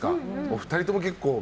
２人とも結構。